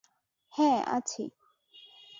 হ্যাঁ, আছি!